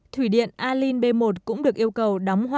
thủy điện alin b một cũng được yêu cầu đóng hoa